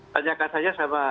pertanyaan saya sama